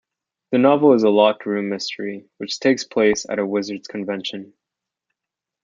The novel is a locked room mystery, which takes place at a wizards' convention.